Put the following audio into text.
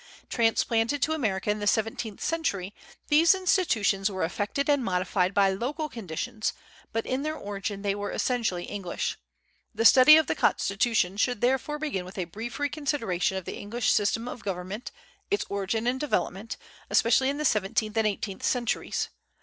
Transplanted to America in the seventeenth century, these institutions were affected and modified by local conditions, but in their origin they were essentially English. The study of the Constitution should therefore begin with a brief reconsideration of the English system of government, its origin and development, especially in the seventeenth and eighteenth centuries.